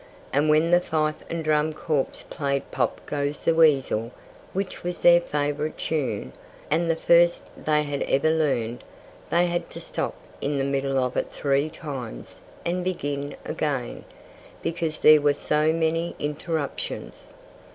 And when the fife and drum corps played "Pop! Goes the Weasel!" which was their favorite tune, and the first they had ever learned they had to stop in the middle of it three times, and begin again, because there were so many interruptions.